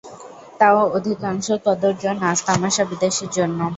তাও অধিকাংশ কদর্য নাচ-তামাসা বিদেশীর জন্য।